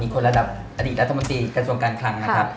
คนระดับอดีตรัฐมนตรีกระทรวงการคลังนะครับ